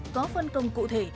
có phân công cụ thể